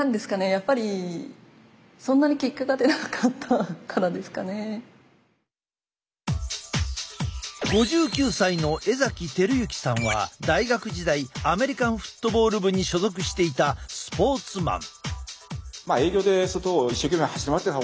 やっぱり５９歳の江輝幸さんは大学時代アメリカンフットボール部に所属していたスポーツマン。